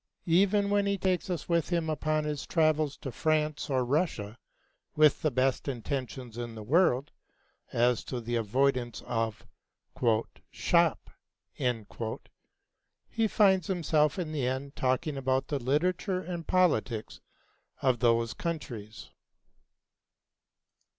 Even when he takes us with him upon his travels to France or Russia with the best intentions in the world as to the avoidance of "shop," he finds himself in the end talking about the literature and the politics of those countries.